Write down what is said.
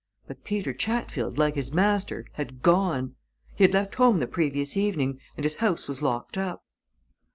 But Peter Chatfield, like his master, had gone! He had left home the previous evening, and his house was locked up."